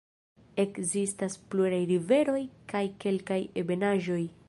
Ekzistas pluraj riveroj kaj kelkaj ebenaĵoj.